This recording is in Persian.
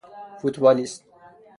فوتبالیست